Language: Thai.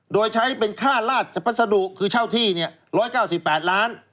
โดยใช้เป็นค่าราชพัสดุคือเช่าที่๑๙๘ล้าน